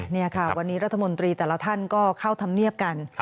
นี่ค่ะวันนี้รัฐมนตรีแต่ละท่านก็เข้าธรรมเนียบกัน